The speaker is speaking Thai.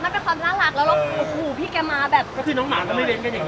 ก็คือน้องหมาก็ไม่เล่นกันอย่างนี้